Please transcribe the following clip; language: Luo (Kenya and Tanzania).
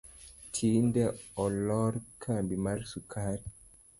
Tinde olor kambi mar sukari